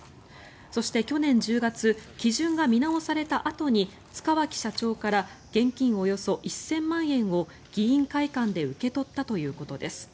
そして去年１０月基準が見直されたあとに塚脇社長から現金およそ１０００万円を議員会館で受け取ったということです。